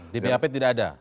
di bap tidak ada